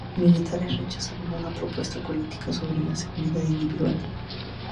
Los militares rechazaron una propuesta política sobre la seguridad individual.